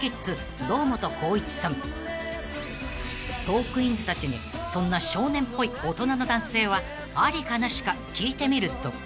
［トークィーンズたちにそんな少年っぽい大人の男性はありかなしか聞いてみると］